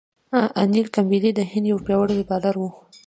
انیل کمبلې د هند یو پياوړی بالر وو.